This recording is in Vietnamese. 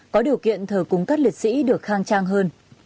có điều kiện thờ cúng các liệt sĩ được khang trang hơn